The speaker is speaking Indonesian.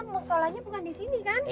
musolanya bukan disini kan